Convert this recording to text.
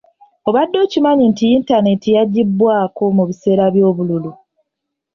Obadde okimanyi nti yintanenti yaggyibwako mu biseera by'obululu.